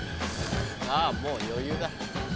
あぁもう余裕だ。